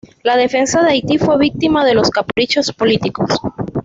La defensa de Haití fue víctima de los caprichos políticos.